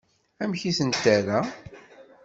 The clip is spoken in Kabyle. Amek i tent-terra?